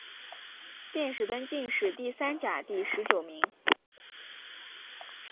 殿试登进士第三甲第十九名。